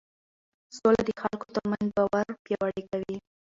سوله د خلکو ترمنځ باور پیاوړی کوي